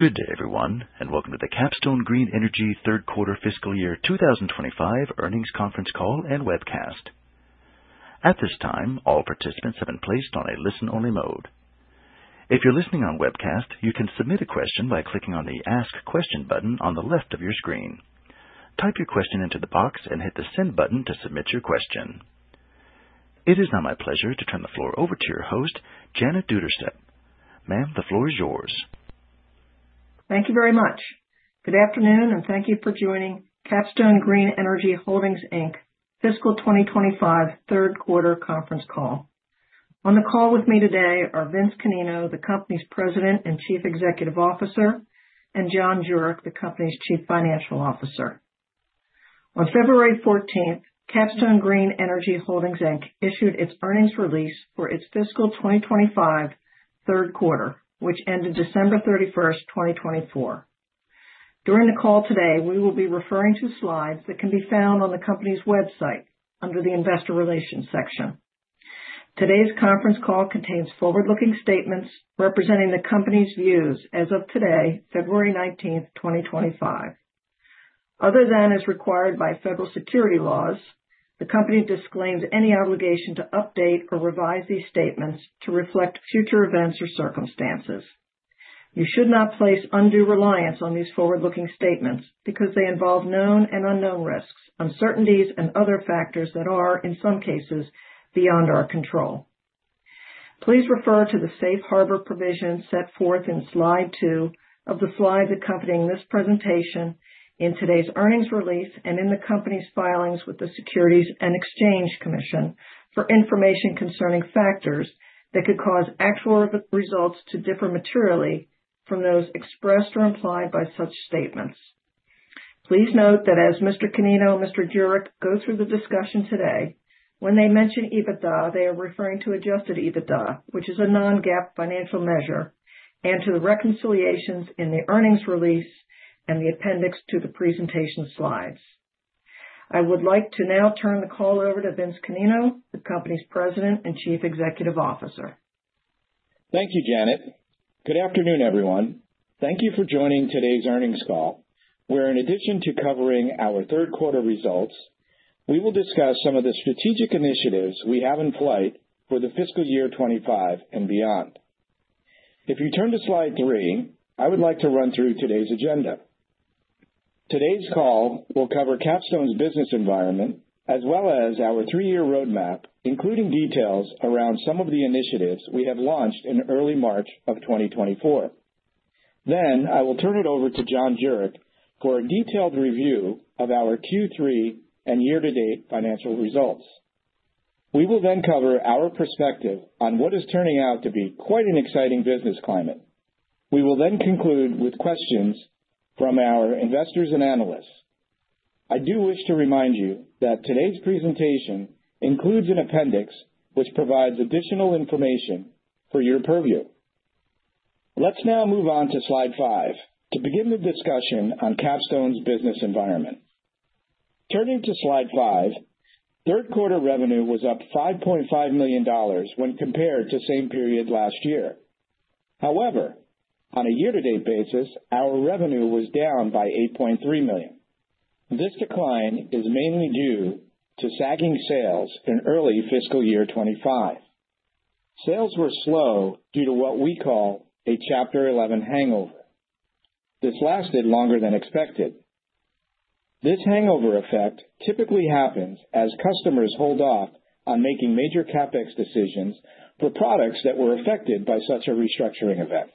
Good day, everyone, and welcome to the Capstone Green Energy Q3 FY2025 earnings conference call and webcast. At this time, all participants have been placed on a listen-only mode. If you're listening on webcast, you can submit a question by clicking on the Ask Question button on the left of your screen. Type your question into the box and hit the Send button to submit your question. It is now my pleasure to turn the floor over to your host, Janet Duderstadt. Ma'am, the floor is yours. Thank you very much. Good afternoon, and thank you for joining Capstone Green Energy Holdings, fiscal 2025 Q3 conference call. On the call with me today are Vince Canino, the company's President and Chief Executive Officer, and John Juric, the company's Chief Financial Officer. On February 14th, Capstone Green Energy Holdings issued its earnings release for its FY2025 Q3, which ended December 31st, 2024. During the call today, we will be referring to slides that can be found on the company's website under the Investor Relations section. Today's conference call contains forward-looking statements representing the company's views as of today, February 19th, 2025. Other than as required by federal securities laws, the company disclaims any obligation to update or revise these statements to reflect future events or circumstances. You should not place undue reliance on these forward-looking statements because they involve known and unknown risks, uncertainties, and other factors that are, in some cases, beyond our control. Please refer to the safe harbor provision set forth in slide two of the slides accompanying this presentation in today's earnings release and in the company's filings with the Securities and Exchange Commission for information concerning factors that could cause actual results to differ materially from those expressed or implied by such statements. Please note that as Mr. Canino and Mr. Juric go through the discussion today, when they mention EBITDA, they are referring to adjusted EBITDA, which is a non-GAAP financial measure, and to the reconciliations in the earnings release and the appendix to the presentation slides. I would like to now turn the call over to Vince Canino, the company's President and Chief Executive Officer. Thank you, Janet. Good afternoon, everyone. Thank you for joining today's earnings call, where, in addition to covering our Q3 results, we will discuss some of the strategic initiatives we have in play for FY2025 and beyond. If you turn to slide 3, I would like to run through today's agenda. Today's call will cover Capstone's business environment as well as our 3-year roadmap, including details around some of the initiatives we have launched in early March of 2024. I will turn it over to John Juric for a detailed review of our Q3 and year-to-date financial results. We will then cover our perspective on what is turning out to be quite an exciting business climate. We will then conclude with questions from our investors and analysts. I do wish to remind you that today's presentation includes an appendix which provides additional information for your purview. Let's now move on to slide 5 to begin the discussion on Capstone's business environment. Turning to slide five, Q3 revenue was up $5.5 million when compared to the same period last year. However, on a year-to-date basis, our revenue was down by $8.3 million. This decline is mainly due to sagging sales in early FY2025. Sales were slow due to what we call a Chapter 11 hangover. This lasted longer than expected. This hangover effect typically happens as customers hold off on making major CapEx decisions for products that were affected by such a restructuring event.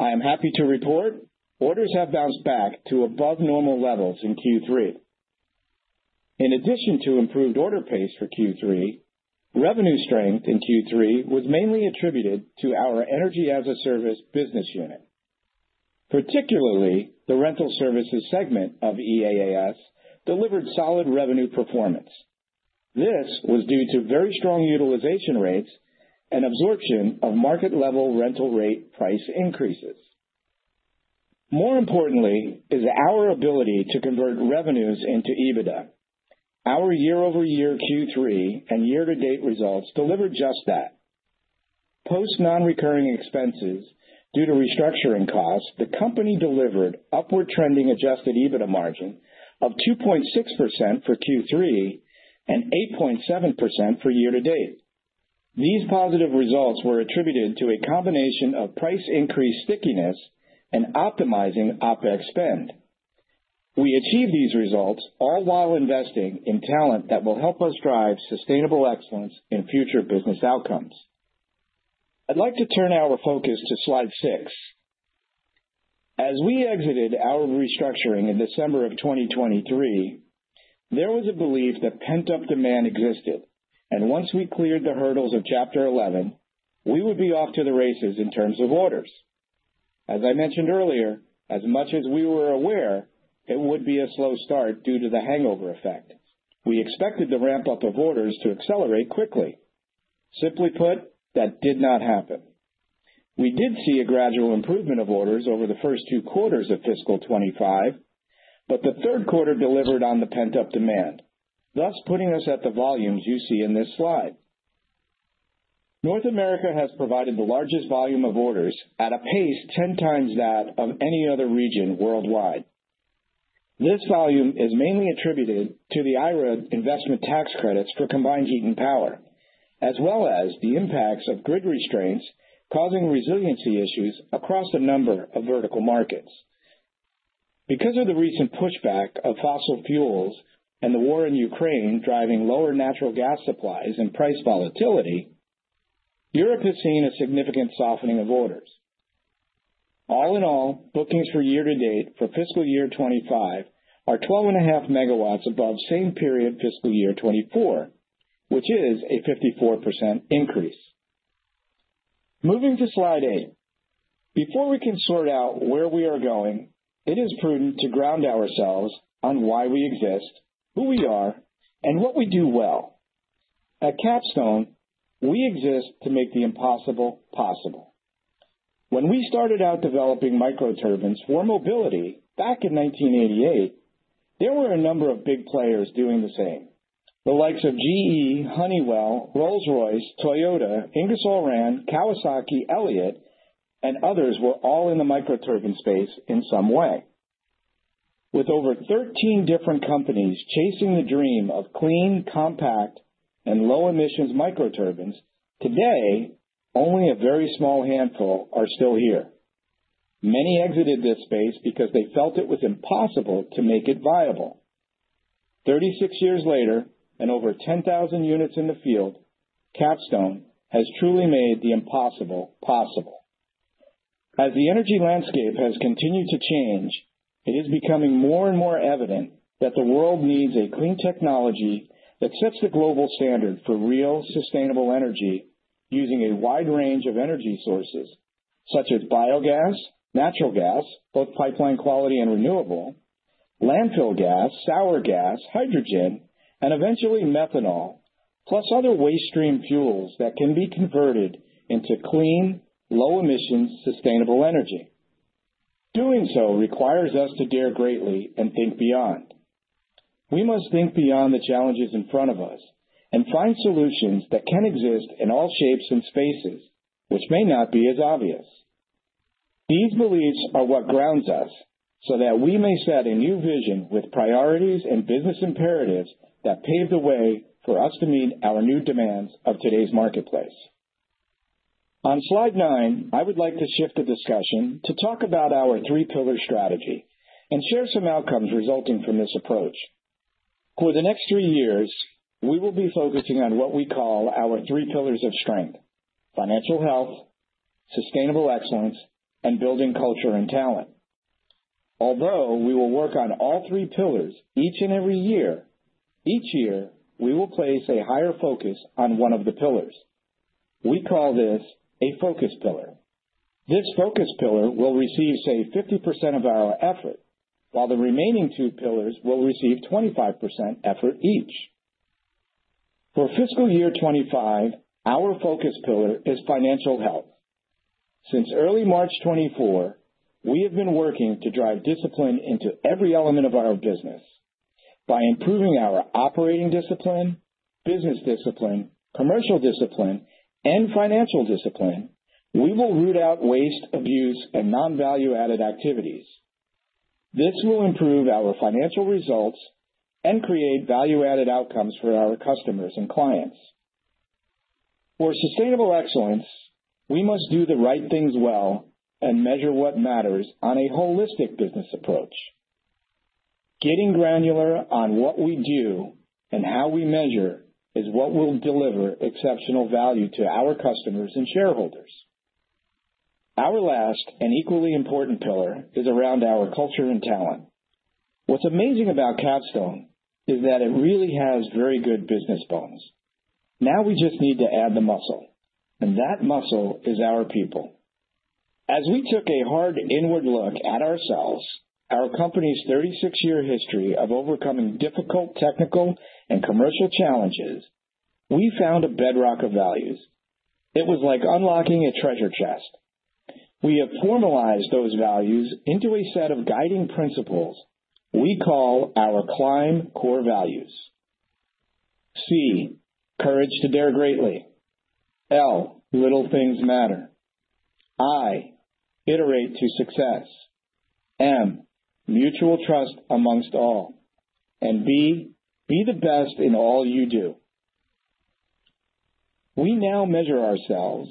I am happy to report orders have bounced back to above-normal levels in Q3. In addition to improved order pace for Q3, revenue strength in Q3 was mainly attributed to our Energy as a Service business unit. Particularly, the rental services segment of EAAS delivered solid revenue performance. This was due to very strong utilization rates and absorption of market-level rental rate price increases. More importantly, is our ability to convert revenues into EBITDA. Our year-over-year Q3 and year-to-date results delivered just that. Post non-recurring expenses due to restructuring costs, the company delivered upward-trending Adjusted EBITDA margin of 2.6% for Q3 and 8.7% for year-to-date. These positive results were attributed to a combination of price increase stickiness and optimizing OPEX spend. We achieved these results all while investing in talent that will help us drive sustainable excellence in future business outcomes. I'd like to turn our focus to slide six. As we exited our restructuring in December of 2023, there was a belief that pent-up demand existed, and once we cleared the hurdles of Chapter 11, we would be off to the races in terms of orders. As I mentioned earlier, as much as we were aware, it would be a slow start due to the hangover effect. We expected the ramp-up of orders to accelerate quickly. Simply put, that did not happen. We did see a gradual improvement of orders over the first two quarters of FY2025, but the Q3 delivered on the pent-up demand, thus putting us at the volumes you see in this slide. North America has provided the largest volume of orders at a pace 10x that of any other region worldwide. This volume is mainly attributed to the IRA investment tax credits for combined heat and power, as well as the impacts of grid restraints causing resiliency issues across a number of vertical markets. Because of the recent pushback of fossil fuels and the war in Ukraine driving lower natural gas supplies and price volatility, Europe has seen a significant softening of orders. All in all, bookings for year-to-date for FY2025 are 12.5 MW above same-period FY2024, which is a 54% increase. Moving to slide 8. Before we can sort out where we are going, it is prudent to ground ourselves on why we exist, who we are, and what we do well. At Capstone, we exist to make the impossible possible. When we started out developing microturbines for mobility back in 1988, there were a number of big players doing the same. The likes of GE, Honeywell, Rolls-Royce, Toyota, Ingersoll Rand, Kawasaki, Elliott, and others were all in the microturbine space in some way. With over 13 different companies chasing the dream of clean, compact, and low-emissions microturbines, today, only a very small handful are still here. Many exited this space because they felt it was impossible to make it viable. Thirty-six years later and over 10,000 units in the field, Capstone has truly made the impossible possible. As the energy landscape has continued to change, it is becoming more and more evident that the world needs a clean technology that sets the global standard for real, sustainable energy using a wide range of energy sources, such as biogas, natural gas, both pipeline quality and renewable, landfill gas, sour gas, hydrogen, and eventually methanol, plus other waste stream fuels that can be converted into clean, low-emission, sustainable energy. Doing so requires us to dare greatly and think beyond. We must think beyond the challenges in front of us and find solutions that can exist in all shapes and spaces, which may not be as obvious. These beliefs are what grounds us so that we may set a new vision with priorities and business imperatives that pave the way for us to meet our new demands of today's marketplace. On slide nine, I would like to shift the discussion to talk about our three-pillar strategy and share some outcomes resulting from this approach. For the next three years, we will be focusing on what we call our three pillars of strength: financial health, sustainable excellence, and building culture and talent. Although we will work on all three pillars each and every year, each year we will place a higher focus on one of the pillars. We call this a focus pillar. This focus pillar will receive, say, 50% of our effort, while the remaining two pillars will receive 25% effort each. For FY2025, our focus pillar is financial health. Since early March 2024, we have been working to drive discipline into every element of our business. By improving our operating discipline, business discipline, commercial discipline, and financial discipline, we will root out waste, abuse, and non-value-added activities. This will improve our financial results and create value-added outcomes for our customers and clients. For sustainable excellence, we must do the right things well and measure what matters on a holistic business approach. Getting granular on what we do and how we measure is what will deliver exceptional value to our customers and shareholders. Our last and equally important pillar is around our culture and talent. What's amazing about Capstone is that it really has very good business bones. Now we just need to add the muscle, and that muscle is our people. As we took a hard inward look at ourselves, our company's 36-year history of overcoming difficult technical and commercial challenges, we found a bedrock of values. It was like unlocking a treasure chest. We have formalized those values into a set of guiding principles we call our CLIMB core values. C, courage to dare greatly. L, little things matter. I, iterate to success. M, mutual trust amongst all. And B, be the best in all you do. We now measure ourselves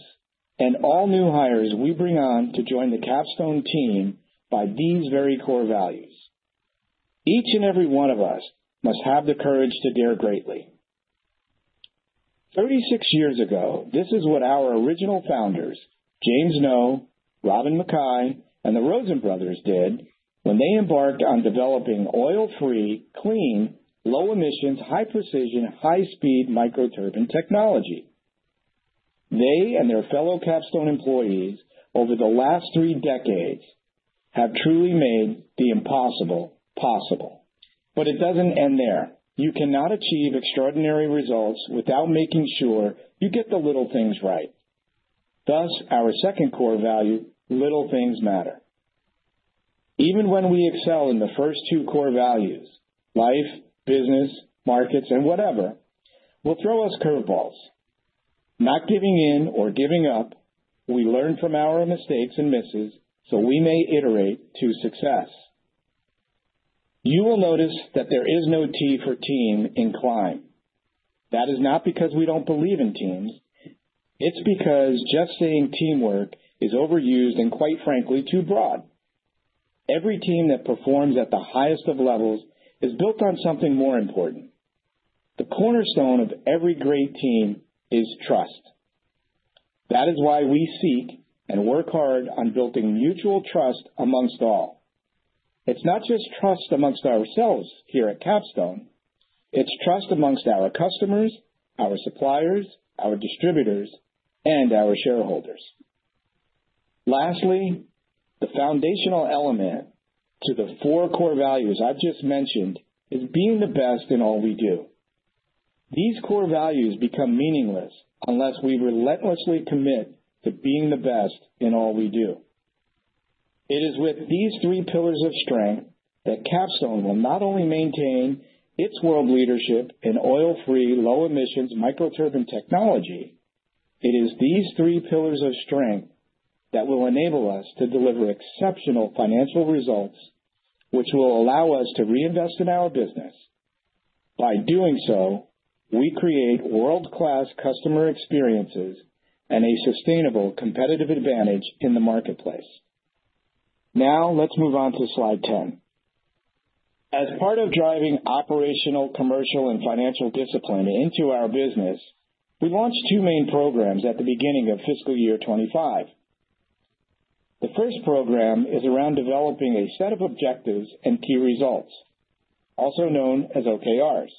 and all new hires we bring on to join the Capstone team by these very core values. Each and every one of us must have the courage to dare greatly. Thirty-six years ago, this is what our original founders, James Noe, Robin Mackay, and the Rosen brothers did when they embarked on developing oil-free, clean, low-emissions, high-precision, high-speed microturbine technology. They and their fellow Capstone employees, over the last three decades, have truly made the impossible possible. It does not end there. You cannot achieve extraordinary results without making sure you get the little things right. Thus, our second core value, little things matter. Even when we excel in the first two core values, life, business, markets, and whatever, will throw us curveballs. Not giving in or giving up, we learn from our mistakes and misses so we may iterate to success. You will notice that there is no T for team in CLIMB. That is not because we do not believe in teams. It is because just saying teamwork is overused and, quite frankly, too broad. Every team that performs at the highest of levels is built on something more important. The cornerstone of every great team is trust. That is why we seek and work hard on building mutual trust amongst all. It's not just trust amongst ourselves here at Capstone. It's trust amongst our customers, our suppliers, our distributors, and our shareholders. Lastly, the foundational element to the four core values I've just mentioned is being the best in all we do. These core values become meaningless unless we relentlessly commit to being the best in all we do. It is with these three pillars of strength that Capstone will not only maintain its world leadership in oil-free, low-emissions microturbine technology. It is these three pillars of strength that will enable us to deliver exceptional financial results, which will allow us to reinvest in our business. By doing so, we create world-class customer experiences and a sustainable competitive advantage in the marketplace. Now let's move on to slide 10. As part of driving operational, commercial, and financial discipline into our business, we launched two main programs at the beginning of FY2025. The first program is around developing a set of objectives and key results, also known as OKRs.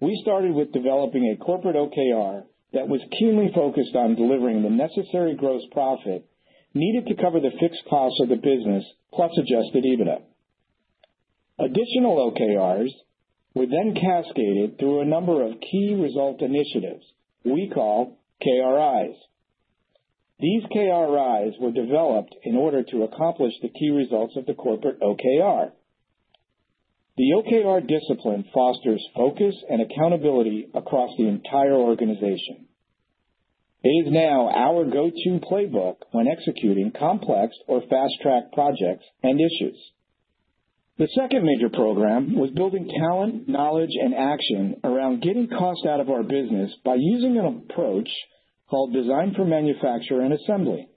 We started with developing a corporate OKR that was keenly focused on delivering the necessary gross profit needed to cover the fixed costs of the business, plus adjusted EBITDA. Additional OKRs were then cascaded through a number of key result initiatives we call KRIs. These KRIs were developed in order to accomplish the key results of the corporate OKR. The OKR discipline fosters focus and accountability across the entire organization. It is now our go-to playbook when executing complex or fast-track projects and issues. The second major program was building talent, knowledge, and action around getting cost out of our business by using an approach called Design for Manufacture and Assembly,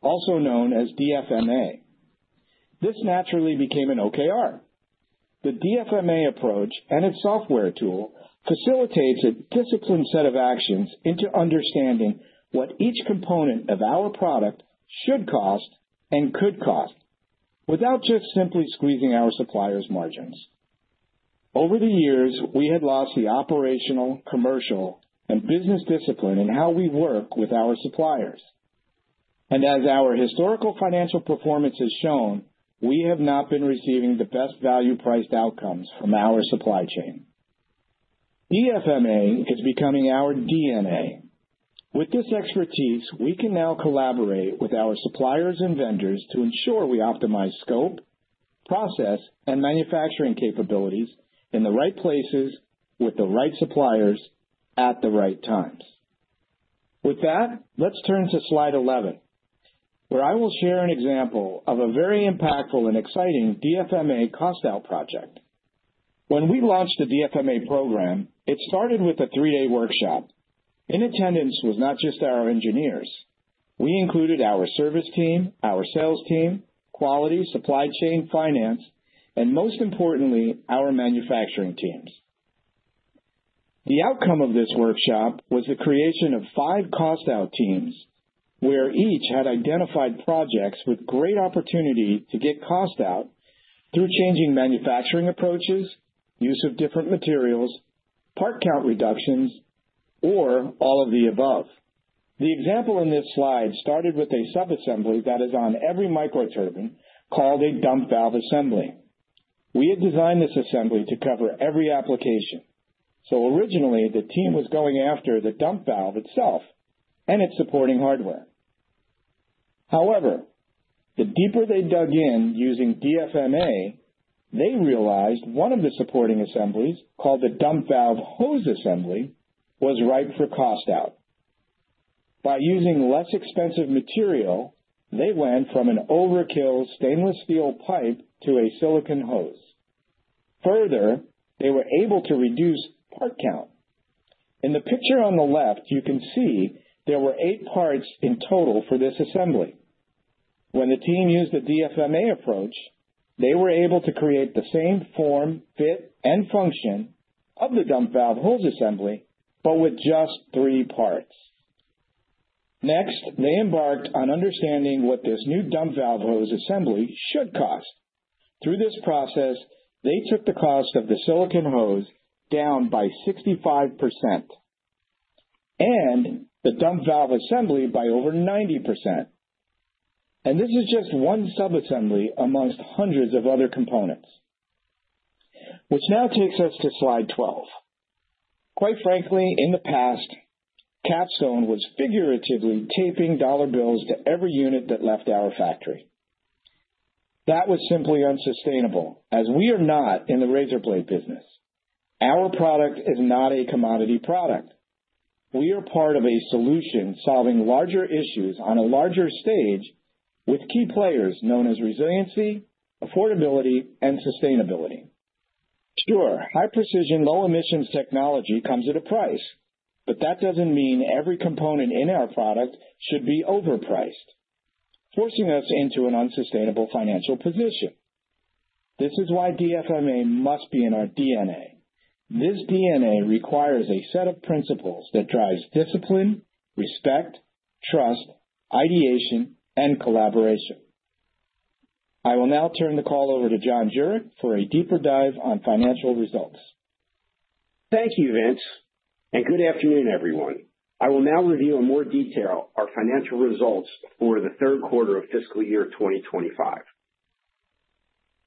also known as DFMA. This naturally became an OKR. The DFMA approach and its software tool facilitates a disciplined set of actions into understanding what each component of our product should cost and could cost, without just simply squeezing our suppliers' margins. Over the years, we had lost the operational, commercial, and business discipline in how we work with our suppliers. As our historical financial performance has shown, we have not been receiving the best value-priced outcomes from our supply chain. DFMA is becoming our DNA. With this expertise, we can now collaborate with our suppliers and vendors to ensure we optimize scope, process, and manufacturing capabilities in the right places with the right suppliers at the right times. With that, let's turn to slide 11, where I will share an example of a very impactful and exciting DFMA cost-out project. When we launched the DFMA program, it started with a three-day workshop. In attendance was not just our engineers. We included our service team, our sales team, quality, supply chain, finance, and most importantly, our manufacturing teams. The outcome of this workshop was the creation of five cost-out teams, where each had identified projects with great opportunity to get cost out through changing manufacturing approaches, use of different materials, part count reductions, or all of the above. The example in this slide started with a subassembly that is on every microturbine called a dump valve assembly. We had designed this assembly to cover every application. So originally, the team was going after the dump valve itself and its supporting hardware. However, the deeper they dug in using DFMA, they realized one of the supporting assemblies, called the dump valve hose assembly, was ripe for cost-out. By using less expensive material, they went from an overkill stainless steel pipe to a silicone hose. Further, they were able to reduce part count. In the picture on the left, you can see there were eight parts in total for this assembly. When the team used the DFMA approach, they were able to create the same form, fit, and function of the dump valve hose assembly, but with just three parts. Next, they embarked on understanding what this new dump valve hose assembly should cost. Through this process, they took the cost of the silicone hose down by 65% and the dump valve assembly by over 90%. This is just one subassembly amongst hundreds of other components. Which now takes us to slide 12. Quite frankly, in the past, Capstone was figuratively taping dollar bills to every unit that left our factory. That was simply unsustainable, as we are not in the razor blade business. Our product is not a commodity product. We are part of a solution solving larger issues on a larger stage with key players known as resiliency, affordability, and sustainability. Sure, high-precision, low-emissions technology comes at a price, but that does not mean every component in our product should be overpriced, forcing us into an unsustainable financial position. This is why DFMA must be in our DNA. This DNA requires a set of principles that drives discipline, respect, trust, ideation, and collaboration. I will now turn the call over to John Juric for a deeper dive on financial results. Thank you, Vince. And good afternoon, everyone.I will now review in more detail our financial results for the third quarter of FY2025.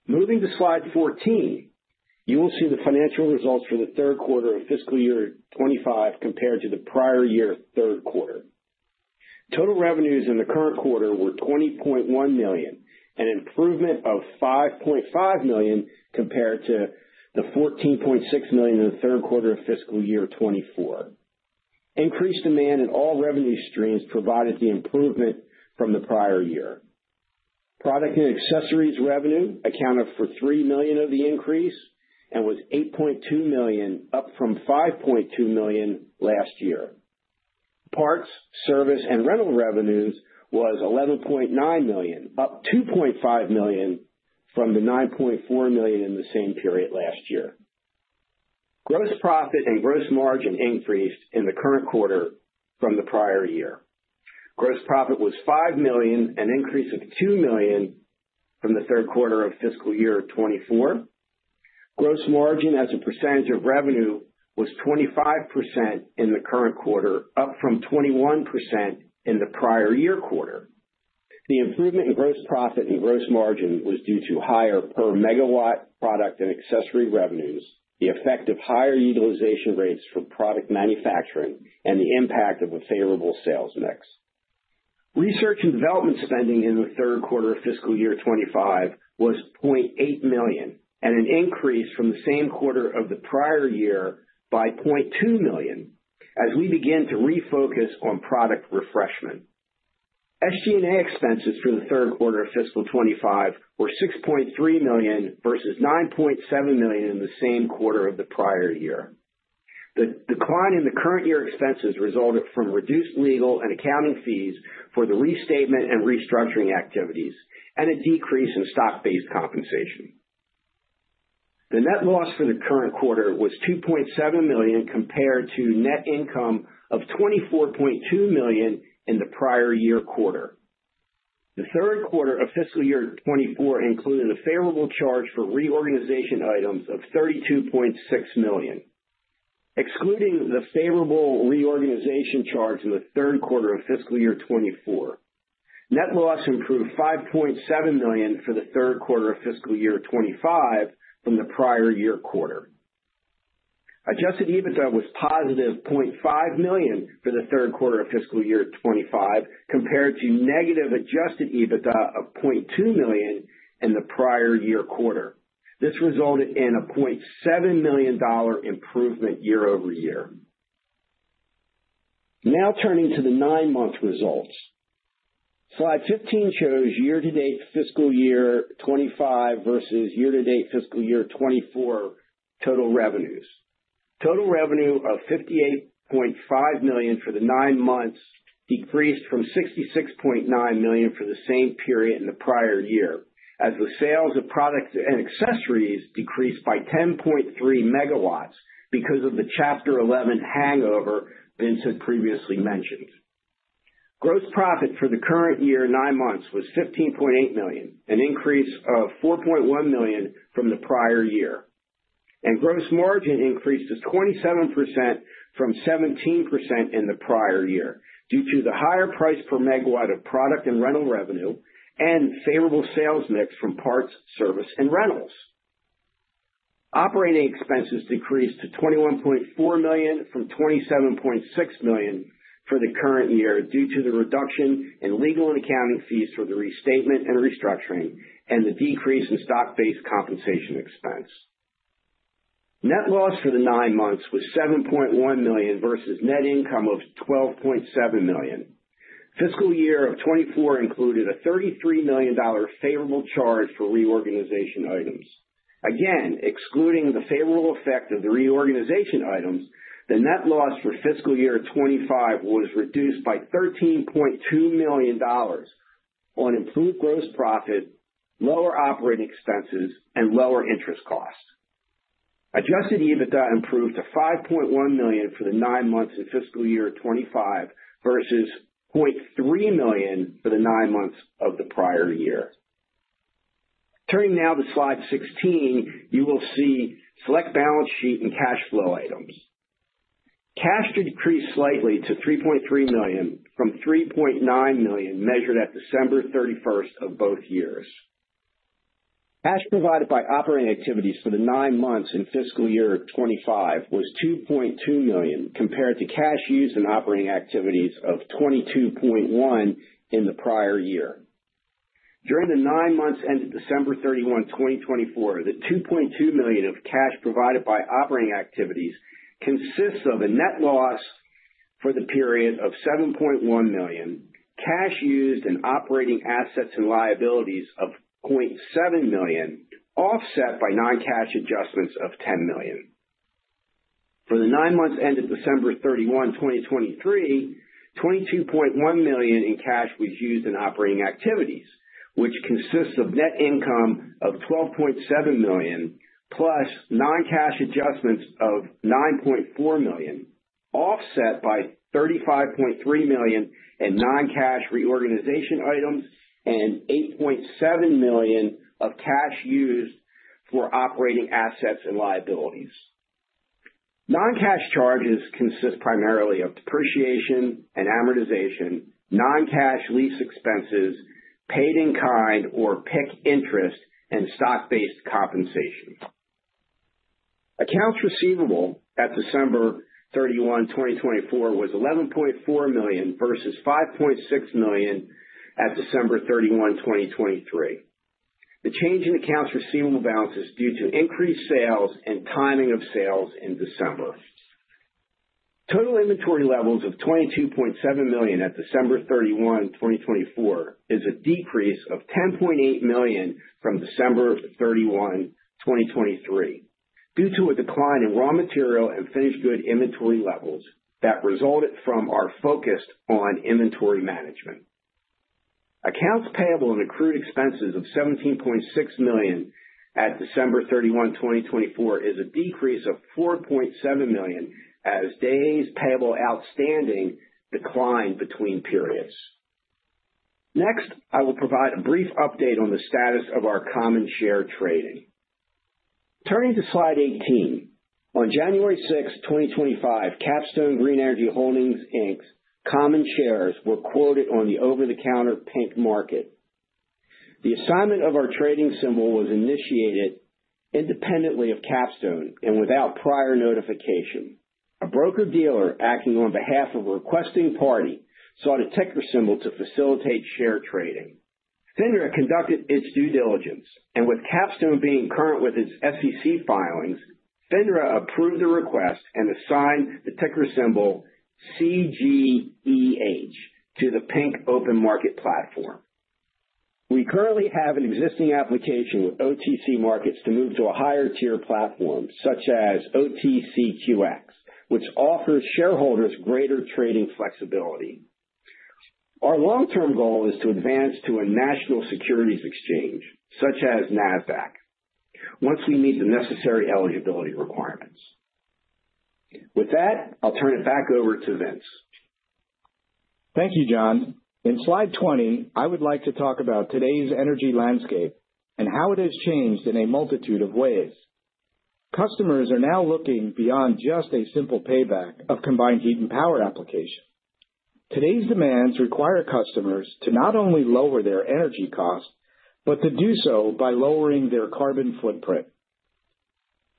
Moving to slide 14, you will see the financial results for the third quarter of FY2025 compared to the prior year's third quarter. Total revenues in the current quarter were $20.1 million and an improvement of $5.5 million compared to the $14.6 million in the third quarter of FY2024. Increased demand in all revenue streams provided the improvement from the prior year. Product and accessories revenue accounted for $3 million of the increase and was $8.2 million, up from $5.2 million last year. Parts, service, and rental revenues were $11.9 million, up $2.5 million from the $9.4 million in the same period last year. Gross profit and gross margin increased in the current quarter from the prior year. Gross profit was $5 million and an increase of $2 million from the third quarter of FY2024. Gross margin as a percentage of revenue was 25% in the current quarter, up from 21% in the prior year quarter. The improvement in gross profit and gross margin was due to higher per megawatt product and accessory revenues, the effect of higher utilization rates for product manufacturing, and the impact of a favorable sales mix. Research and development spending in the third quarter of FY2025 was $0.8 million and an increase from the same quarter of the prior year by $0.2 million as we begin to refocus on product refreshment. SG&A expenses for the third quarter of FY2025 were $6.3 million versus $9.7 million in the same quarter of the prior year. The decline in the current year expenses resulted from reduced legal and accounting fees for the restatement and restructuring activities and a decrease in stock-based compensation. The net loss for the current quarter was $2.7 million compared to net income of $24.2 million in the prior year quarter. The third quarter of FY2024 included a favorable charge for reorganization items of $32.6 million, excluding the favorable reorganization charge in the third quarter of FY2024. Net loss improved $5.7 million for the third quarter of FY2025 from the prior year quarter. Adjusted EBITDA was positive $0.5 million for the third quarter of FY2025 compared to negative Adjusted EBITDA of $0.2 million in the prior year quarter. This resulted in a $0.7 million improvement year-over-year. Now turning to the nine-month results. Slide 15 shows year-to-date FY2025 versus year-to-date FY2024 total revenues. Total revenue of $58.5 million for the nine months decreased from $66.9 million for the same period in the prior year, as the sales of products and accessories decreased by 10.3 MW because of the Chapter 11 hangover Vincent previously mentioned. Gross profit for the current year nine months was $15.8 million, an increase of $4.1 million from the prior year. Gross margin increased to 27% from 17% in the prior year due to the higher price per megawatt of product and rental revenue and favorable sales mix from parts, service, and rentals. Operating expenses decreased to $21.4 million from $27.6 million for the current year due to the reduction in legal and accounting fees for the restatement and restructuring and the decrease in stock-based compensation expense. Net loss for the nine months was $7.1 million versus net income of $12.7 million. Fiscal year 2024 included a $33 million favorable charge for reorganization items. Again, excluding the favorable effect of the reorganization items, the net loss for fiscal year 2025 was reduced by $13.2 million on improved gross profit, lower operating expenses, and lower interest costs. Adjusted EBITDA improved to $5.1 million for the nine months in fiscal year 2025 versus $0.3 million for the nine months of the prior year. Turning now to slide 16, you will see select balance sheet and cash flow items. Cash decreased slightly to $3.3 million from $3.9 million measured at December 31st of both years. Cash provided by operating activities for the nine months in fiscal year 2025 was $2.2 million compared to cash used in operating activities of $22.1 million in the prior year. During the nine months ended December 31st, 2024, the $2.2 million of cash provided by operating activities consists of a net loss for the period of $7.1 million, cash used in operating assets and liabilities of $0.7 million, offset by non-cash adjustments of $10 million. For the nine months ended December 31st, 2023, $22.1 million in cash was used in operating activities, which consists of net income of $12.7 million plus non-cash adjustments of $9.4 million, offset by $35.3 million in non-cash reorganization items and $8.7 million of cash used for operating assets and liabilities. Non-cash charges consist primarily of depreciation and amortization, non-cash lease expenses, paid in kind or PIK interest, and stock-based compensation. Accounts receivable at December 31st, 2024, was $11.4 million versus $5.6 million at December 31st, 2023. The change in accounts receivable balance is due to increased sales and timing of sales in December. Total inventory levels of $22.7 million at December 31st, 2024, is a decrease of $10.8 million from December 31st, 2023, due to a decline in raw material and finished good inventory levels that resulted from our focus on inventory management. Accounts payable and accrued expenses of $17.6 million at December 31st, 2024, is a decrease of $4.7 million as days payable outstanding declined between periods. Next, I will provide a brief update on the status of our common share trading. Turning to slide 18, on January 6th, 2025, Capstone Green Energy Holdings' common shares were quoted on the over-the-counter pink market. The assignment of our trading symbol was initiated independently of Capstone and without prior notification. A broker-dealer acting on behalf of a requesting party sought a ticker symbol to facilitate share trading. FINRA conducted its due diligence. With Capstone being current with its SEC filings, FINRA approved the request and assigned the ticker symbol CGEH to the pink open market platform. We currently have an existing application with OTC Markets to move to a higher-tier platform, such as OTCQX, which offers shareholders greater trading flexibility. Our long-term goal is to advance to a national securities exchange, such as NASDAQ, once we meet the necessary eligibility requirements. With that, I'll turn it back over to Vince. Thank you, John. In slide 20, I would like to talk about today's energy landscape and how it has changed in a multitude of ways. Customers are now looking beyond just a simple payback of combined heat and power application. Today's demands require customers to not only lower their energy costs, but to do so by lowering their carbon footprint.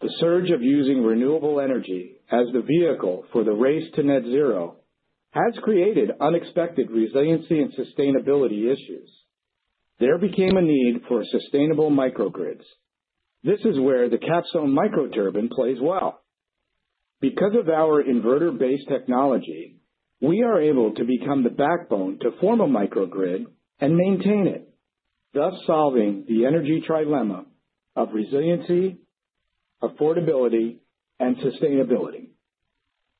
The surge of using renewable energy as the vehicle for the race to net zero has created unexpected resiliency and sustainability issues. There became a need for sustainable microgrids. This is where the Capstone Microturbine plays well. Because of our inverter-based technology, we are able to become the backbone to form a microgrid and maintain it, thus solving the energy trilemma of resiliency, affordability, and sustainability.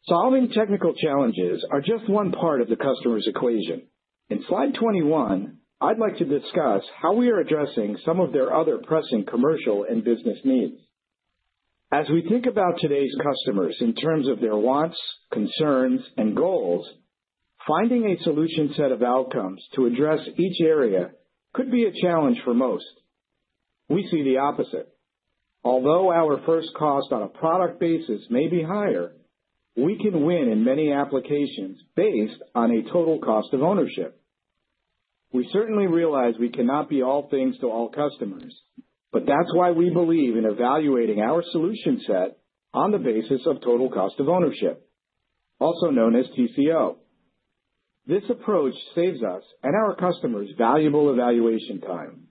Solving technical challenges is just one part of the customer's equation. In slide 21, I'd like to discuss how we are addressing some of their other pressing commercial and business needs. As we think about today's customers in terms of their wants, concerns, and goals, finding a solution set of outcomes to address each area could be a challenge for most. We see the opposite. Although our first cost on a product basis may be higher, we can win in many applications based on a total cost of ownership. We certainly realize we cannot be all things to all customers, but that's why we believe in evaluating our solution set on the basis of total cost of ownership, also known as TCO. This approach saves us and our customers valuable evaluation time.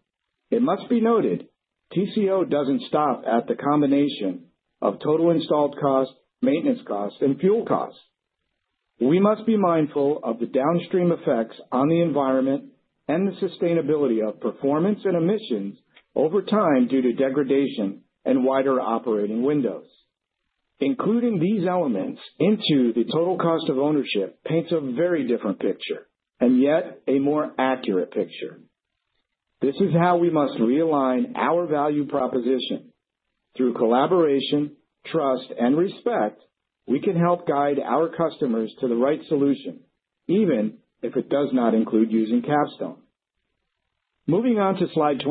It must be noted, TCO doesn't stop at the combination of total installed cost, maintenance cost, and fuel cost. We must be mindful of the downstream effects on the environment and the sustainability of performance and emissions over time due to degradation and wider operating windows. Including these elements into the total cost of ownership paints a very different picture, and yet a more accurate picture. This is how we must realign our value proposition. Through collaboration, trust, and respect, we can help guide our customers to the right solution, even if it does not include using Capstone. Moving on to slide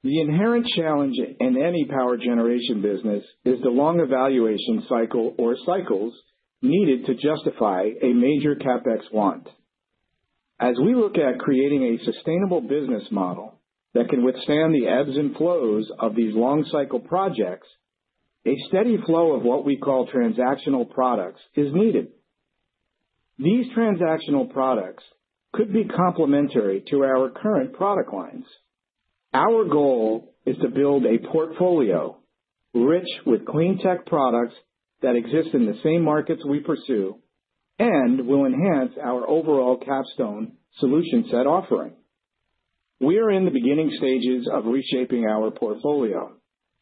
22. The inherent challenge in any power generation business is the long evaluation cycle or cycles needed to justify a major CapEx want. As we look at creating a sustainable business model that can withstand the ebbs and flows of these long-cycle projects, a steady flow of what we call transactional products is needed. These transactional products could be complementary to our current product lines. Our goal is to build a portfolio rich with clean tech products that exist in the same markets we pursue and will enhance our overall Capstone solution set offering. We are in the beginning stages of reshaping our portfolio,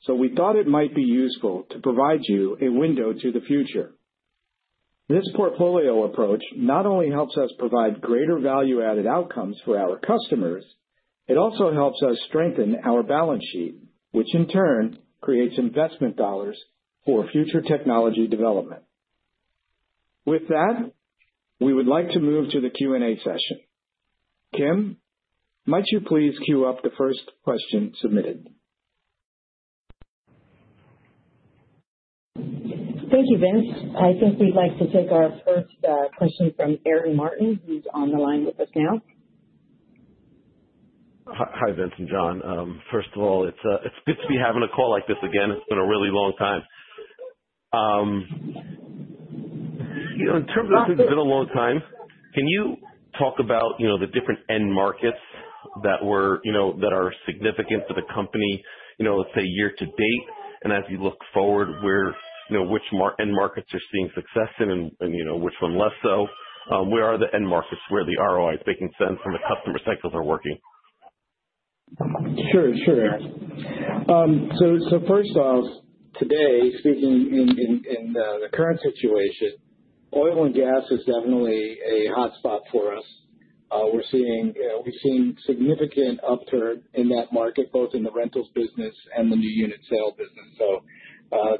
so we thought it might be useful to provide you a window to the future. This portfolio approach not only helps us provide greater value-added outcomes for our customers, it also helps us strengthen our balance sheet, which in turn creates investment dollars for future technology development. With that, we would like to move to the Q&A session. Kim, might you please queue up the first question submitted? Thank you, Vince. I think we'd like to take our first question from Aaron Martin, who's on the line with us now. Hi, Vince and John. First of all, it's good to be having a call like this again. It's been a really long time. In terms of it's been a long time, can you talk about the different end markets that are significant for the company, let's say, year to date? As you look forward, which end markets are seeing success in and which one less so? Where are the end markets where the ROI is making sense and the customer cycles are working? Sure, sure, Aaron. First off, today, speaking in the current situation, oil and gas is definitely a hotspot for us. We're seeing significant upturn in that market, both in the rentals business and the new unit sale business.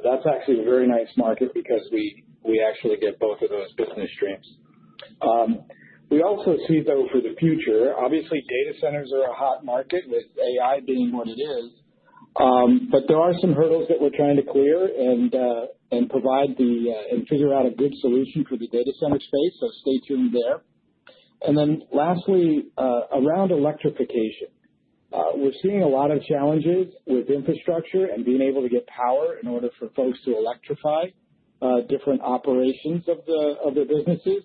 That's actually a very nice market because we actually get both of those business streams. We also see, though, for the future, obviously, data centers are a hot market with AI being what it is. There are some hurdles that we're trying to clear and provide and figure out a good solution for the data center space. Stay tuned there. Lastly, around electrification, we're seeing a lot of challenges with infrastructure and being able to get power in order for folks to electrify different operations of their businesses.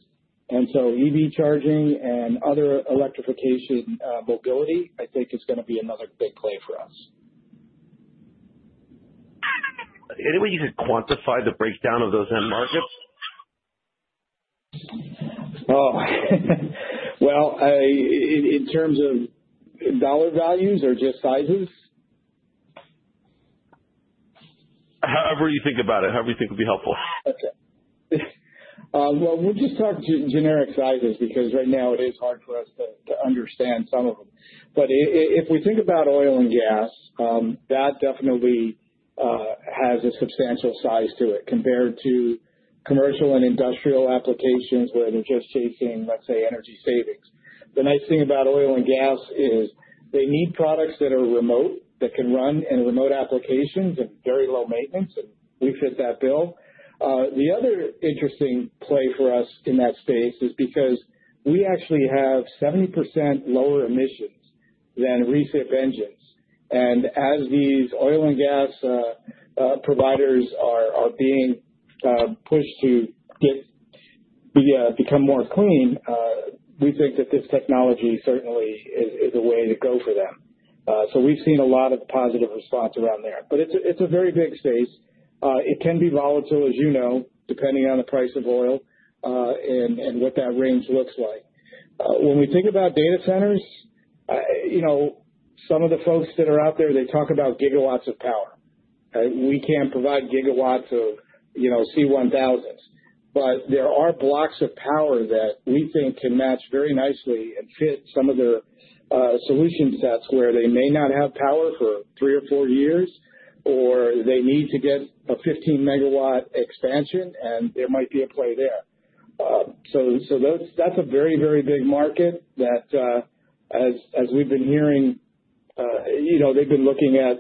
EV charging and other electrification mobility, I think, is going to be another big play for us. Any way you could quantify the breakdown of those end markets? Oh. In terms of dollar values or just sizes? However you think about it. However you think would be helpful. Okay. We'll just talk generic sizes because right now it is hard for us to understand some of them. If we think about oil and gas, that definitely has a substantial size to it compared to commercial and industrial applications where they're just chasing, let's say, energy savings. The nice thing about oil and gas is they need products that are remote, that can run in remote applications and very low maintenance, and we fit that bill. The other interesting play for us in that space is because we actually have 70% lower emissions than reefer engines. As these oil and gas providers are being pushed to become more clean, we think that this technology certainly is a way to go for them. We have seen a lot of positive response around there. It is a very big space. It can be volatile, you know, depending on the price of oil and what that range looks like. When we think about data centers, some of the folks that are out there, they talk about gigawatts of power. We cannot provide gigawatts of C1000s. There are blocks of power that we think can match very nicely and fit some of their solution sets where they may not have power for three or four years, or they need to get a 15 MW expansion, and there might be a play there. That is a very, very big market that, as we have been hearing, they have been looking at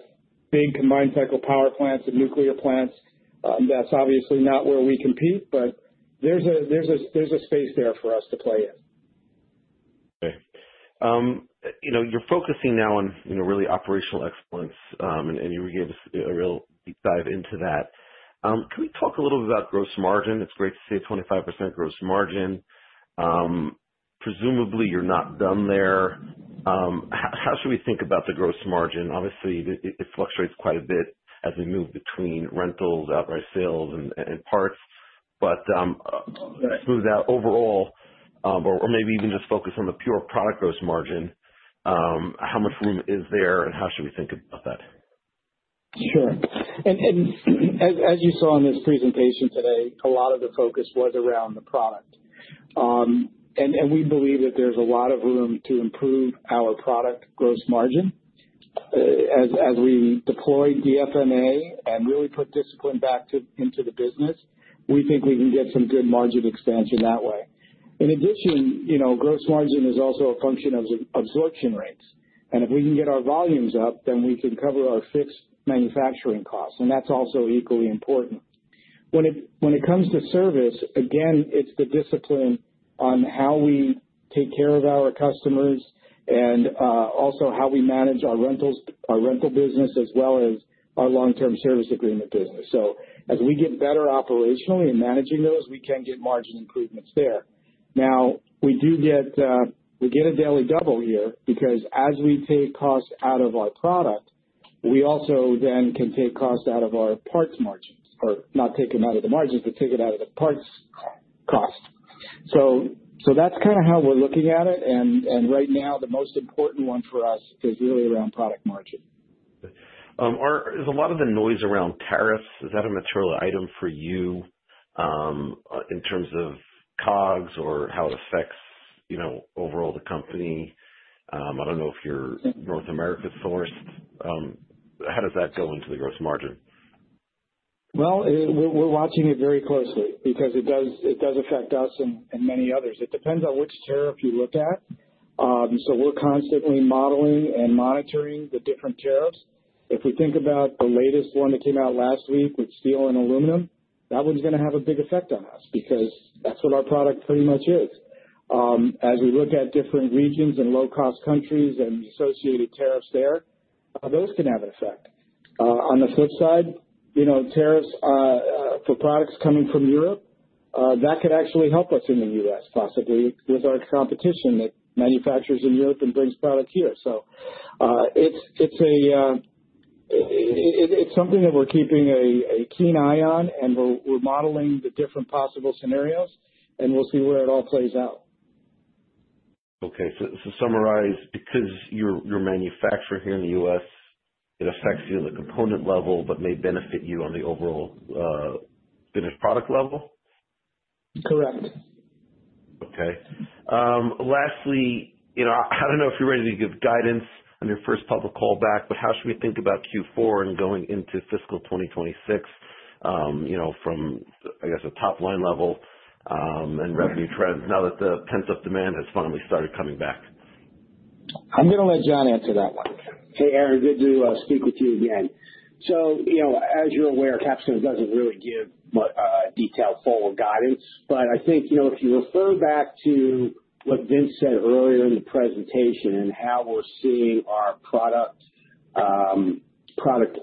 big combined cycle power plants and nuclear plants. That is obviously not where we compete, but there is a space there for us to play in. Okay. You are focusing now on really operational excellence, and you gave us a real deep dive into that. Can we talk a little bit about gross margin? It is great to see a 25% gross margin. Presumably, you are not done there. How should we think about the gross margin? Obviously, it fluctuates quite a bit as we move between rentals, outright sales, and parts. Let us move that overall, or maybe even just focus on the pure product gross margin. How much room is there, and how should we think about that? Sure. As you saw in this presentation today, a lot of the focus was around the product. We believe that there's a lot of room to improve our product gross margin. As we deploy DFMA and really put discipline back into the business, we think we can get some good margin expansion that way. In addition, gross margin is also a function of absorption rates. If we can get our volumes up, then we can cover our fixed manufacturing costs. That's also equally important. When it comes to service, again, it's the discipline on how we take care of our customers and also how we manage our rental business as well as our long-term service agreement business. As we get better operationally in managing those, we can get margin improvements there. Now, we get a daily double here because as we take cost out of our product, we also then can take cost out of our parts margins, or not take them out of the margins, but take it out of the parts cost. That is kind of how we are looking at it. Right now, the most important one for us is really around product margin. There is a lot of the noise around tariffs. Is that a material item for you in terms of COGS or how it affects overall the company? I do not know if you are North America-sourced. How does that go into the gross margin? We are watching it very closely because it does affect us and many others. It depends on which tariff you look at. We are constantly modeling and monitoring the different tariffs. If we think about the latest one that came out last week with steel and aluminum, that one's going to have a big effect on us because that's what our product pretty much is. As we look at different regions and low-cost countries and associated tariffs there, those can have an effect. On the flip side, tariffs for products coming from Europe, that could actually help us in the U.S., possibly, with our competition that manufactures in Europe and brings product here. It is something that we're keeping a keen eye on, and we're modeling the different possible scenarios, and we'll see where it all plays out. Okay. To summarize, because you're a manufacturer here in the U.S., it affects you at the component level but may benefit you on the overall finished product level? Correct. Okay. Lastly, I don't know if you're ready to give guidance on your first public callback, but how should we think about Q4 and going into fiscal 2026 from, I guess, a top-line level and revenue trends now that the pent-up demand has finally started coming back? I'm going to let John answer that one. Hey, Aaron, good to speak with you again. As you're aware, Capstone doesn't really give detailed forward guidance. If you refer back to what Vin said earlier in the presentation and how we're seeing our product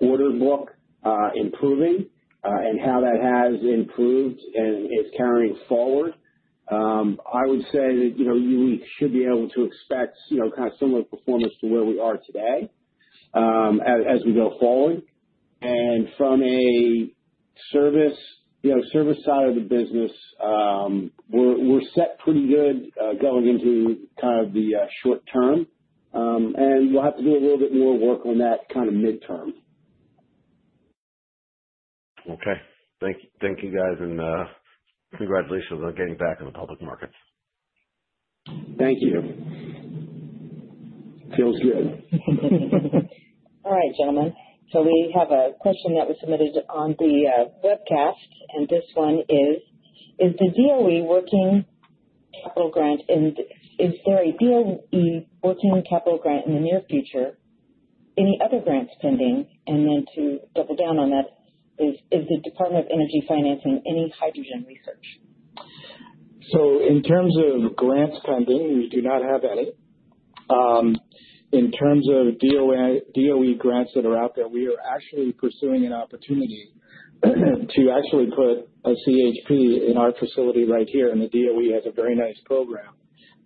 order book improving and how that has improved and is carrying forward, I would say that we should be able to expect kind of similar performance to where we are today as we go forward. From a service side of the business, we're set pretty good going into kind of the short term, and we'll have to do a little bit more work on that kind of midterm. Okay. Thank you, guys. Congratulations on getting back in the public markets. Thank you. Feels good. All right, gentlemen. We have a question that was submitted on the webcast, and this one is, is the DOE working capital grant? Is there a DOE working capital grant in the near future? Any other grants pending? To double down on that, is the Department of Energy financing any hydrogen research? In terms of grants pending, we do not have any. In terms of DOE grants that are out there, we are actually pursuing an opportunity to actually put a CHP in our facility right here. The DOE has a very nice program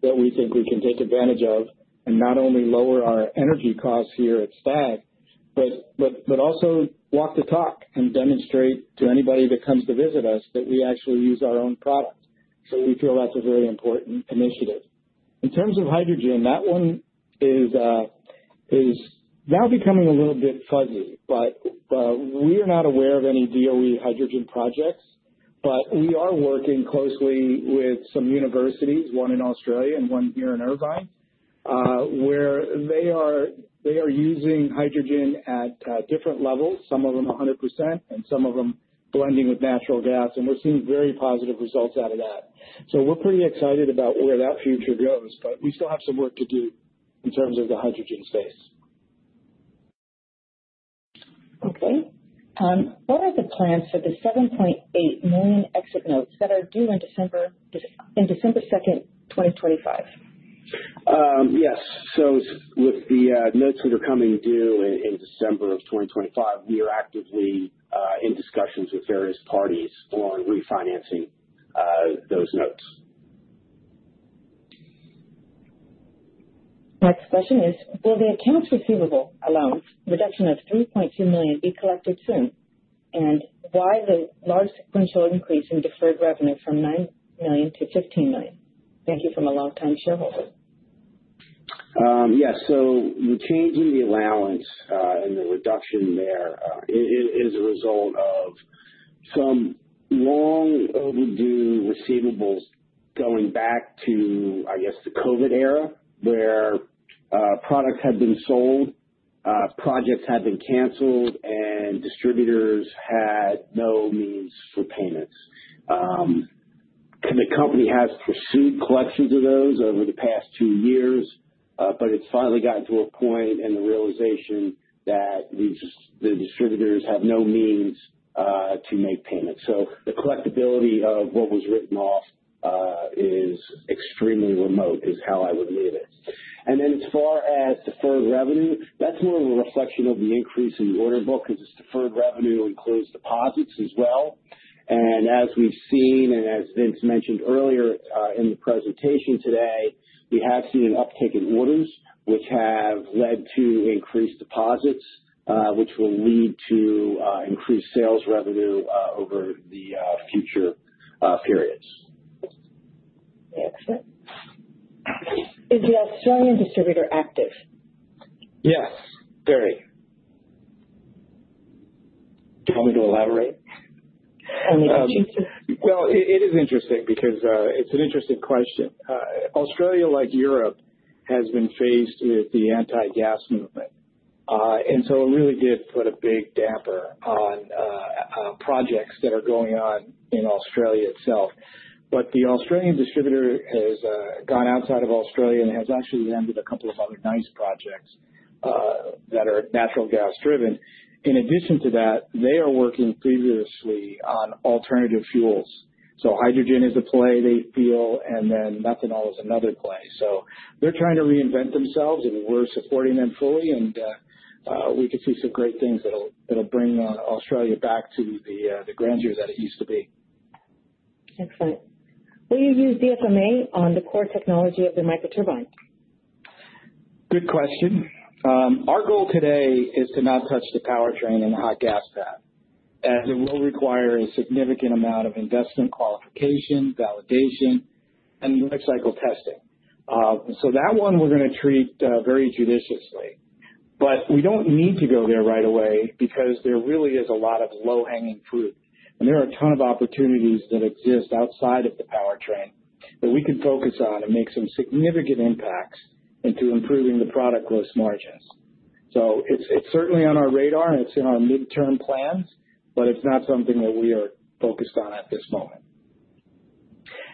that we think we can take advantage of and not only lower our energy costs here at Stagg, but also walk the talk and demonstrate to anybody that comes to visit us that we actually use our own product. We feel that's a very important initiative. In terms of hydrogen, that one is now becoming a little bit fuzzy. We are not aware of any DOE hydrogen projects. We are working closely with some universities, one in Australia and one here in Irvine, where they are using hydrogen at different levels, some of them 100% and some of them blending with natural gas. We are seeing very positive results out of that. We are pretty excited about where that future goes, but we still have some work to do in terms of the hydrogen space. Okay. What are the plans for the $7.8 million exit notes that are due in December 2nd, 2025? Yes. With the notes that are coming due in December of 2025, we are actively in discussions with various parties on refinancing those notes. Next question is, will the accounts receivable alone, reduction of $3.2 million, be collected soon? Why the large sequential increase in deferred revenue from $9 million-$15 million? Thank you from a longtime shareholder. Yes. The change in the allowance and the reduction there is a result of some long-overdue receivables going back to, I guess, the COVID era where products had been sold, projects had been canceled, and distributors had no means for payments. The company has pursued collections of those over the past two years, but it's finally gotten to a point and the realization that the distributors have no means to make payments. The collectibility of what was written off is extremely remote is how I would leave it. As far as deferred revenue, that's more of a reflection of the increase in the order book because deferred revenue includes deposits as well. As we've seen and as Vince mentioned earlier in the presentation today, we have seen an uptick in orders, which have led to increased deposits, which will lead to increased sales revenue over the future periods. Is the Australian distributor active? Yes. Very. Do you want me to elaborate? It is interesting because it's an interesting question. Australia like Europe has been faced with the anti-gas movement. It really did put a big damper on projects that are going on in Australia itself. The Australian distributor has gone outside of Australia and has actually landed a couple of other nice projects that are natural gas-driven. In addition to that, they are working vigorously on alternative fuels. Hydrogen is a play they feel, and then methanol is another play. They are trying to reinvent themselves, and we are supporting them fully. We could see some great things that will bring Australia back to the grandeur that it used to be. Excellent. Will you use DFMA on the core technology of the microturbine? Good question. Our goal today is to not touch the powertrain and the hot gas pad. It will require a significant amount of investment qualification, validation, and life cycle testing. That one we are going to treat very judiciously. We do not need to go there right away because there really is a lot of low-hanging fruit. There are a ton of opportunities that exist outside of the powertrain that we can focus on and make some significant impacts into improving the product gross margins. It is certainly on our radar, and it is in our midterm plans, but it is not something that we are focused on at this moment.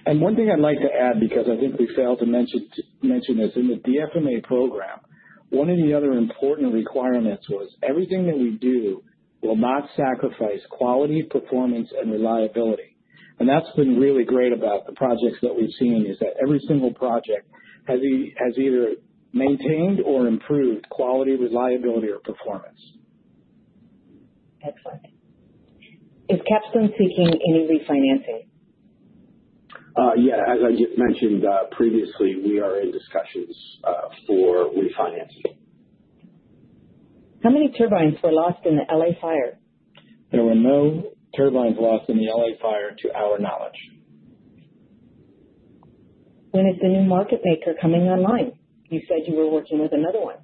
One thing I would like to add, because I think we failed to mention this, in the DFMA program, one of the other important requirements was everything that we do will not sacrifice quality, performance, and reliability. That has been really great about the projects that we have seen, as every single project has either maintained or improved quality, reliability, or performance. Excellent. Is Capstone seeking any refinancing? Yeah. As I just mentioned previously, we are in discussions for refinancing. How many turbines were lost in the LA fire? There were no turbines lost in the LA fire to our knowledge. When is the new market maker coming online? You said you were working with another one.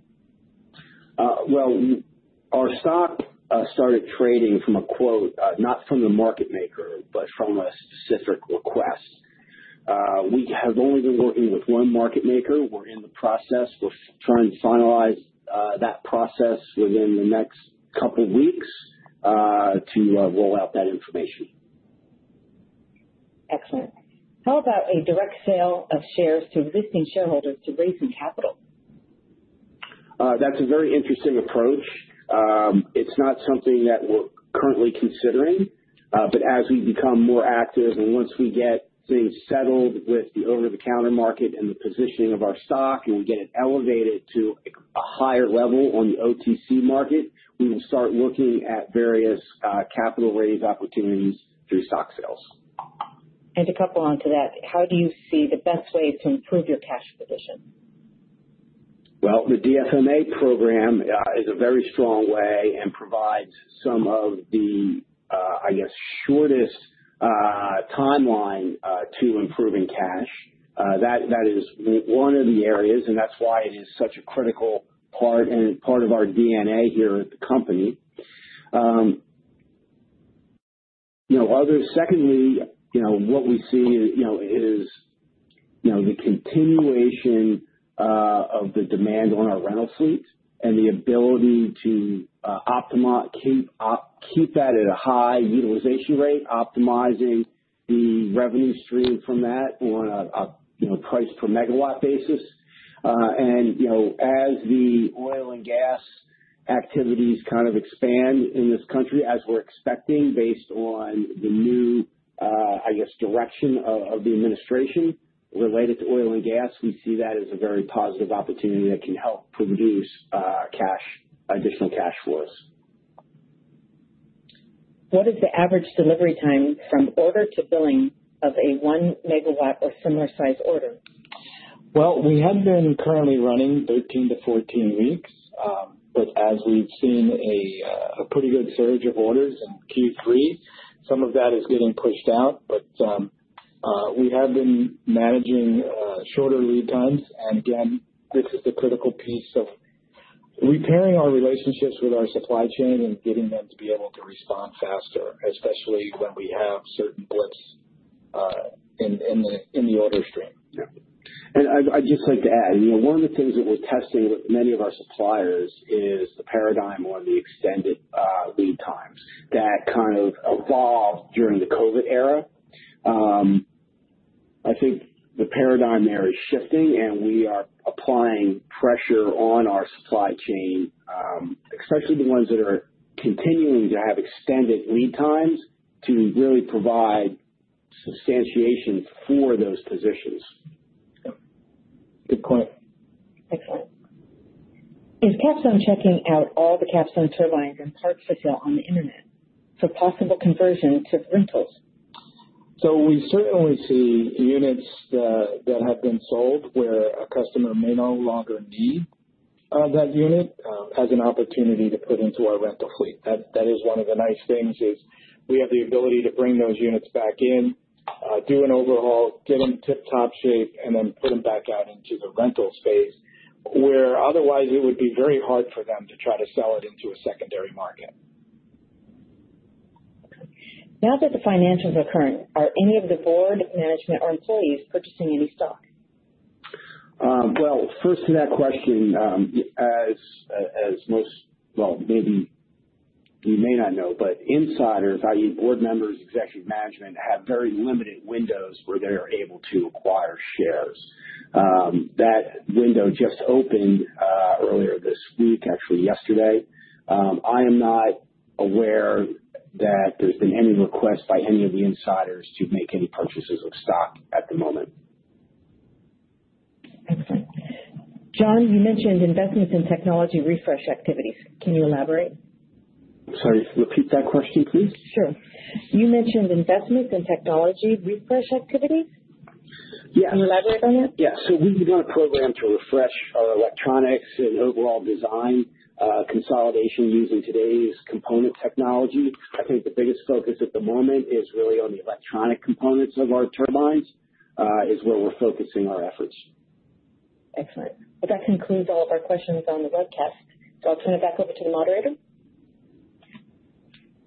Our stock started trading from a quote, not from the market maker, but from a specific request. We have only been working with one market maker. We are in the process. We are trying to finalize that process within the next couple of weeks to roll out that information. Excellent. How about a direct sale of shares to existing shareholders to raise some capital? That is a very interesting approach. It is not something that we are currently considering. As we become more active and once we get things settled with the over-the-counter market and the positioning of our stock and we get it elevated to a higher level on the OTC market, we will start looking at various capital raise opportunities through stock sales. To couple onto that, how do you see the best way to improve your cash position? The DFMA program is a very strong way and provides some of the, I guess, shortest timeline to improving cash. That is one of the areas, and that's why it is such a critical part and part of our DNA here at the company. Secondly, what we see is the continuation of the demand on our rental fleet and the ability to keep that at a high utilization rate, optimizing the revenue stream from that on a price per megawatt basis. As the oil and gas activities kind of expand in this country, as we're expecting based on the new, I guess, direction of the administration related to oil and gas, we see that as a very positive opportunity that can help produce additional cash flows. What is the average delivery time from order to billing of a 1 MW or similar-sized order? We have been currently running 13-14 weeks. As we've seen a pretty good surge of orders in Q3, some of that is getting pushed out. We have been managing shorter lead times. This is the critical piece of repairing our relationships with our supply chain and getting them to be able to respond faster, especially when we have certain blips in the order stream. Yeah. I'd just like to add, one of the things that we're testing with many of our suppliers is the paradigm on the extended lead times that kind of evolved during the COVID era. I think the paradigm there is shifting, and we are applying pressure on our supply chain, especially the ones that are continuing to have extended lead times, to really provide substantiation for those positions. Good point. Excellent. Is Capstone checking out all the Capstone turbines and parts for sale on the internet for possible conversion to rentals? We certainly see units that have been sold where a customer may no longer need that unit as an opportunity to put into our rental fleet. That is one of the nice things is we have the ability to bring those units back in, do an overhaul, get them tip-top shape, and then put them back out into the rental space where otherwise it would be very hard for them to try to sell it into a secondary market. Now that the financials are current, are any of the board management or employees purchasing any stock? First to that question, as most, maybe you may not know, but insiders, i.e., board members, executive management, have very limited windows where they are able to acquire shares. That window just opened earlier this week, actually yesterday. I am not aware that there's been any request by any of the insiders to make any purchases of stock at the moment. Excellent. John, you mentioned investments in technology refresh activities. Can you elaborate? Sorry. Repeat that question, please. Sure. You mentioned investments in technology refresh activities. Can you elaborate on that? Yeah. We have done a program to refresh our electronics and overall design consolidation using today's component technology. I think the biggest focus at the moment is really on the electronic components of our turbines, which is where we are focusing our efforts. Excellent. That concludes all of our questions on the webcast. I will turn it back over to the moderator. Thank you.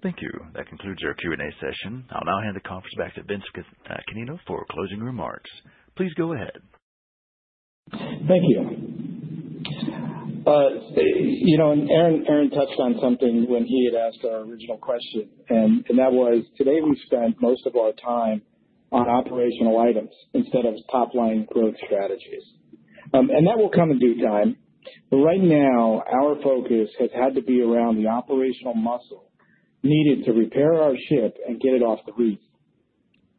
That concludes our Q&A session. I will now hand the conference back to Vince Canino for closing remarks. Please go ahead. Thank you. Aaron touched on something when he had asked our original question. That was, today we spent most of our time on operational items instead of top-line growth strategies. That will come in due time. Right now, our focus has had to be around the operational muscle needed to repair our ship and get it off the reef.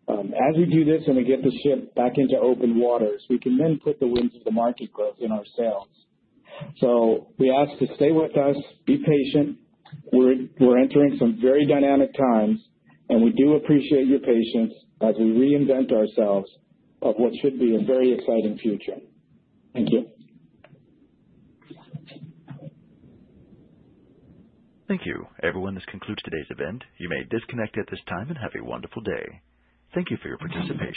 As we do this and we get the ship back into open waters, we can then put the winds of the market growth in ourselves. We ask to stay with us, be patient. We're entering some very dynamic times, and we do appreciate your patience as we reinvent ourselves of what should be a very exciting future. Thank you. Thank you. Everyone, this concludes today's event. You may disconnect at this time and have a wonderful day. Thank you for your participation.